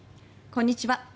こんにちは。